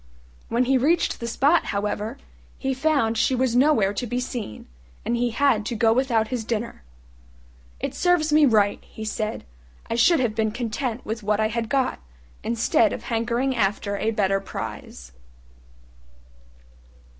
When he reached the spot, however, he found she was nowhere to be seen, and he had to go without his dinner. "It serves me right," he said; "I should have been content with what I had got, instead of hankering after a better prize."